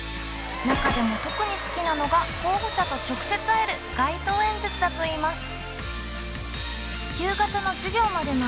中でも特に好きなのが候補者と直接会える街頭演説だといいます。